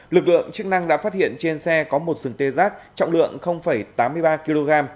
lực lượng chức năng đã phát hiện trên xe có một sừng tê giác trọng lượng tám mươi ba kg